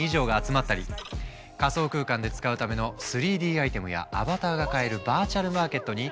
仮想空間で使うための３Ｄアイテムやアバターが買えるバーチャルマーケットに